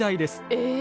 え